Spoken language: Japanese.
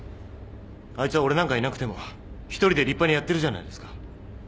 あいつは俺なんかいなくても一人で立派にやってるじゃないですか。